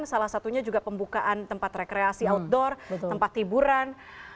salah satunya juga pembukaan tempat rekreasi outdoor tempat hiburan